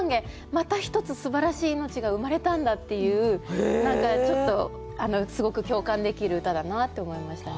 また一つすばらしい命が生まれたんだっていう何かすごく共感できる歌だなって思いましたね。